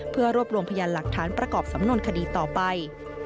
เพื่อรวบรวมพยานหลักฐานประกอบสำนวนคดีต่อไป